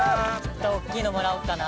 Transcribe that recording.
大っきいのもらおうっかな。